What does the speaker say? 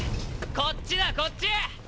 こっちだこっち！